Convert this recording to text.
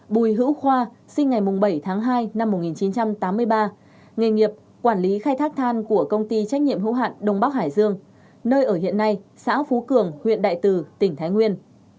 bùi hữu khoa sinh ngày bảy tháng hai năm một nghìn chín trăm tám mươi ba nghề nghiệp quản lý khai thác than của công ty trách nhiệm hữu hạn đông bắc hải dương nơi ở hiện nay xã phú cường huyện đại từ tỉnh thái nguyên